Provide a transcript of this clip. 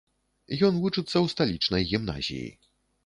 Ён вучыцца ў сталічнай гімназіі.